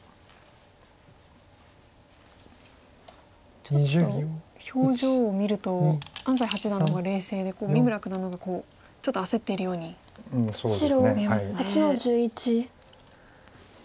ちょっと表情を見ると安斎八段の方が冷静で三村九段の方がちょっと焦っているように見えますね。